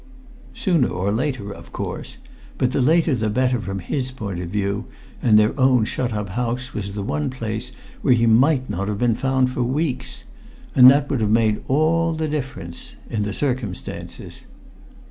"Sooner or later, of course; but the later the better from his point of view, and their own shut up house was the one place where he might not have been found for weeks. And that would have made all the difference in the circumstances."